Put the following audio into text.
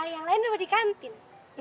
yang lain udah di kantin